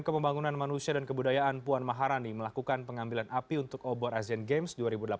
pembangunan manusia dan kebudayaan puan maharani melakukan pengambilan api untuk obor asian games dua ribu delapan belas